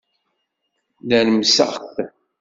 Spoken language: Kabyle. Nermseɣ-t.